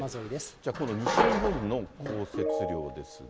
じゃあ、今度西日本の降雪量ですが。